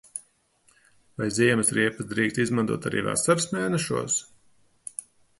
Vai ziemas riepas drīkst izmantot arī vasaras mēnešos?